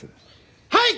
はい！